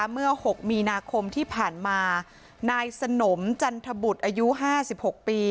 เมื่อ๖มีนาคมที่ผ่านมานายสนมจันทบุตรอายุ๕๖ปี